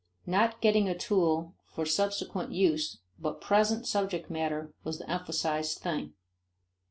Not getting a tool for subsequent use but present subject matter was the emphasized thing.